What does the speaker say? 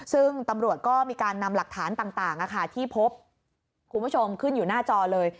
ซึ่งตำรวจก็มีการนำหลักฐานต่างที่พบคุณผู้ชมขึ้นอยู่หน้าจอเลย